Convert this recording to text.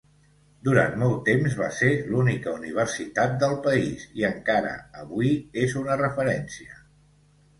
Durant molt temps va ser l'única universitat del país i encara avui és una referència.